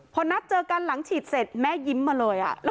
พอนัดเจอกันหลังฉีดเสร็จแม่ยิ้มมาเลย